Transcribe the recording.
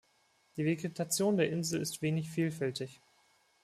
Die Vegetation der Insel ist wenig vielfältig.